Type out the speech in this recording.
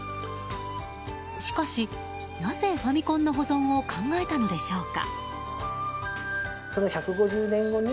しかし、なぜファミコンの保存を考えたのでしょうか？